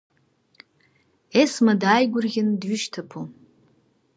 Есма дааигәырӷьаны дҩышьҭыԥо.